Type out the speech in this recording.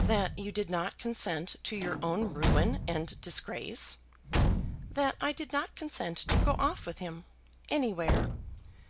"That you did not consent to your own ruin and disgrace?" "That I did not consent to go off with him, anywhere.